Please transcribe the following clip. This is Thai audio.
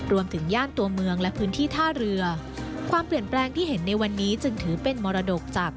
ย่านตัวเมืองและพื้นที่ท่าเรือความเปลี่ยนแปลงที่เห็นในวันนี้จึงถือเป็นมรดกจาก